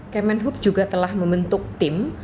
kemenhub juga telah membentuk tim